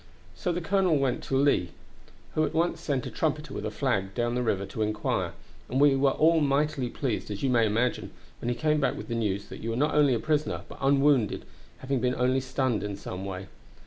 So the colonel went to Lee, who at once sent a trumpeter with a flag down to the river to inquire, and we were all mightily pleased, as you may imagine, when he came back with the news that you were not only a prisoner, but unwounded, having been only stunned in some way.